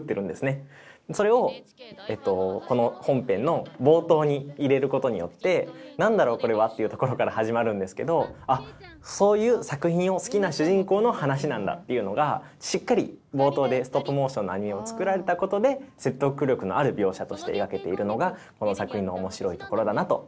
それをこの本編の冒頭に入れることによって何だろうこれは？っていうところから始まるんですけど「あそういう作品を好きな主人公の話なんだ」っていうのがしっかり冒頭でストップモーションのアニメを作られたことで説得力のある描写として描けているのがこの作品の面白いところだなと思いました。